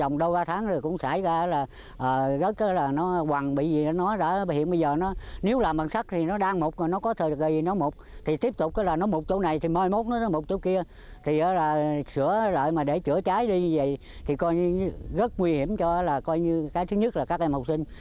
như vậy thì coi như rất nguy hiểm cho coi như cái thứ nhất là các em học sinh